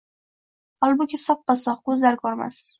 Holbuki soppa-sog’, ko’zlari ko’rmas.